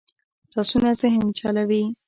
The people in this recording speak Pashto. لاسونه ذهن چلوي